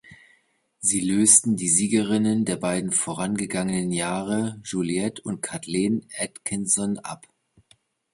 Sie lösten die Siegerinnen der beiden vorangegangenen Jahre, Juliette und Kathleen Atkinson, ab.